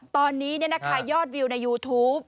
ตอนนี้ยอดวิวในยูทูป